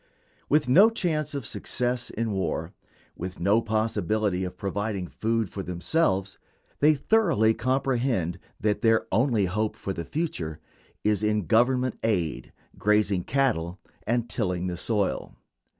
With no chance of success in war, with no possibility of providing food for themselves, they thoroughly comprehend that their only hope for the future is in Government aid, grazing cattle, and tilling the soil.